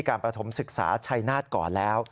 ประถมศึกษาชัยนาฏก่อนแล้ว